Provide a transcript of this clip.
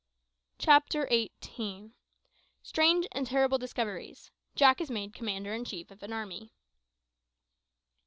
CHAPTER EIGHTEEN. STRANGE AND TERRIBLE DISCOVERIES JACK IS MADE COMMANDER IN CHIEF OF AN ARMY.